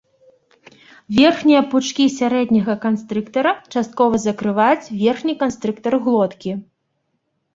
Верхнія пучкі сярэдняга канстрыктара часткова закрываюць верхні канстрыктар глоткі.